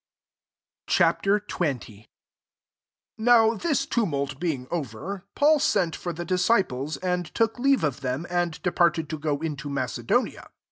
Ch. XX. 1 NOW this tumult jing over, Paul sent for the isciples, and took leave of i/°m, and departed to go into [acedonia.